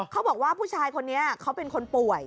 เขาบอกว่าผู้ชายคนนี้เขาเป็นคนป่วย